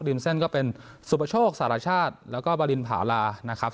ริมเส้นก็เป็นสุปโชคสารชาติแล้วก็บรินผาลานะครับ